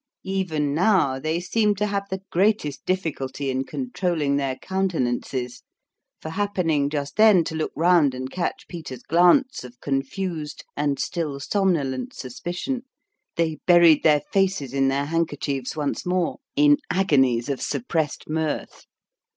" Even now they seemed to have the greatest difficulty in controlling their countenances, for happening just then to look round and catch Peter's glance of confused and still somnolent suspicion, they buried their faces in their hand kerchiefs once more, in agonies of suppressed mirth.